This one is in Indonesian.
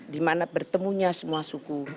di mana bertemunya semua suku